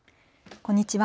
こんにちは。